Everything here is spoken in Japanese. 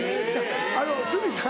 あの鷲見さん